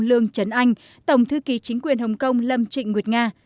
lương trấn anh tổng thư ký chính quyền hồng kông lâm trịnh nguyệt nga